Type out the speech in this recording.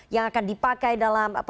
sekali lagi dans